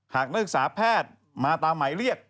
หากนักศึกษาแพทย์มาตามหมายเรียก